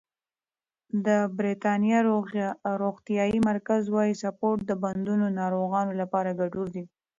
د بریتانیا روغتیايي مرکز وايي سپورت د بندونو ناروغانو لپاره ګټور دی.